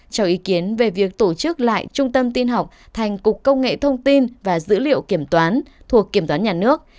cho ý kiến về việc tổ chức lại trung tâm tin học thành cục công nghệ thông tin và dữ liệu kiểm toán thuộc kiểm toán nhà nước